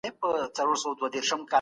مابعدالطبيعه مرحله استدلال ته مخه کوي.